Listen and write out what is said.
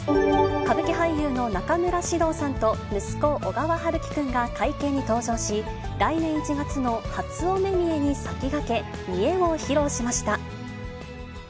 歌舞伎俳優の中村獅童さんと、息子、小川陽喜くんが会見に登場し、来年１月の初お目見えに先がけ、見得を披露しました。